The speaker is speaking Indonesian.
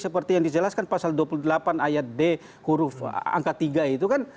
seperti yang dijelaskan pasal dua puluh delapan ayat d huruf angka tiga itu kan